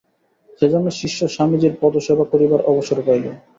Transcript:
সেজন্য শিষ্য স্বামীজীর পদসেবা করিবার অবসর পাইল।